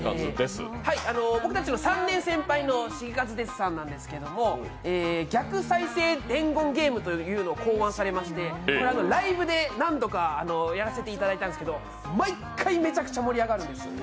僕たちの３年先輩のシゲカズですさんなんですけど逆再生伝言ゲームというのを考案されまして、ライブで何度かやらせていただいたんですけど、毎回めちゃくちゃ盛り上がるんです。